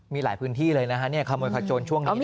มีหลายพื้นที่เลยนะฮะเนี่ยขโมยพัดโชนช่วงนี้นะครับ